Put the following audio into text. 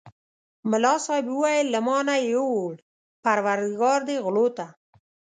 ملا صاحب وویل له ما نه یې یووړ پرودګار دې غلو ته.